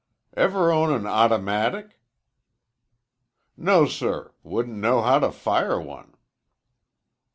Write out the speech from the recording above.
"Ever own an automatic?" "No, sir. Wouldn't know how to fire one."